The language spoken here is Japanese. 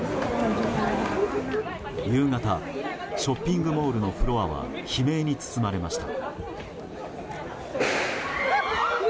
夕方ショッピングモールのフロアは悲鳴に包まれました。